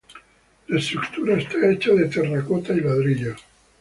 La estructura está hecha de terracota y ladrillos.